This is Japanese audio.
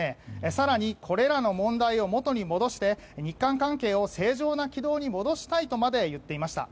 更に、これらの問題を元に戻して日韓関係を正常な軌道に戻したいとまで言っていました。